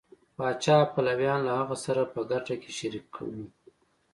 پاچا پلویان له هغه سره په ګټه کې شریک وو.